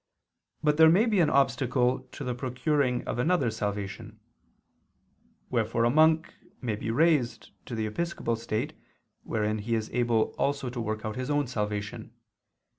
But there may be an obstacle to the procuring of another's salvation; wherefore a monk may be raised to the episcopal state wherein he is able also to work out his own salvation.